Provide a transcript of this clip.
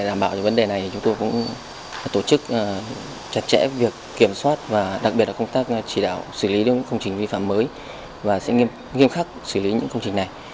để đảm bảo vấn đề này chúng tôi cũng tổ chức chặt chẽ việc kiểm soát và đặc biệt là công tác chỉ đạo xử lý những công trình vi phạm mới và sẽ nghiêm khắc xử lý những công trình này